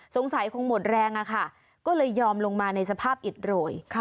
สงสัยคงหมดแรงอะค่ะก็เลยยอมลงมาในสภาพอิดโรย